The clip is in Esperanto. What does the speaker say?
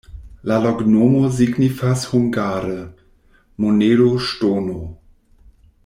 La loknomo signifas hungare: monedo-ŝtono.